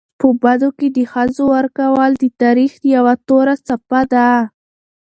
په بدو کي د ښځو ورکول د تاریخ یوه توره څپه ده.